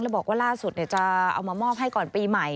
แล้วบอกว่าล่าสุดจะเอามามอบให้ก่อนปีใหม่